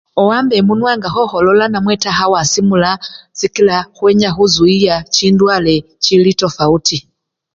Owamba emunwa nga khokholola namwe taa khawasimula sikila khwenya khusuyiya chindwale chili tofawuti.